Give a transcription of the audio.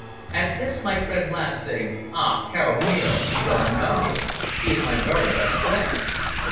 At this my friend laughed, saying, "Ah, caro mio, you don't know him. He is my very best friend."